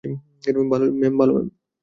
ভালো ম্যাম।